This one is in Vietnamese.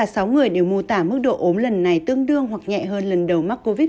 sáu người đều mô tả mức độ ốm lần này tương đương hoặc nhẹ hơn lần đầu mắc covid một mươi chín